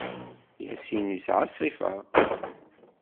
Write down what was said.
Yassin yesɛa ṣṣifa.